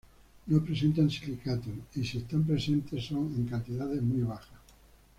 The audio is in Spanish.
No presentan silicatos, y, si están presentes, son en cantidades muy bajas.